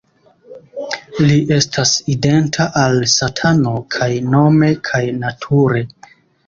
Li estas identa al Satano kaj nome kaj nature.